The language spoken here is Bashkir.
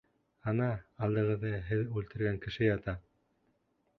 Ана, алдығыҙҙа һеҙ үлтергән кеше ята.